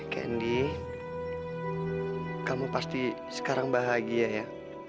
kendi kamu pasti sekarang bahagia ya